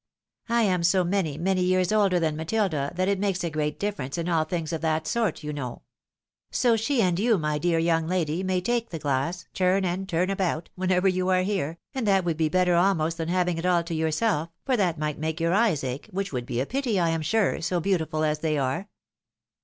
I am so many, many years older than Matilda, that it makes a great difference in all things of that sort, you know. So she and you, my dear young lady, may take the glass, turn and turn about, whenever you are here, and that woidd be better almost than having it all to yourself, for that might make your eyes ache, which would be a pity, I am sure, so beautiful as they are."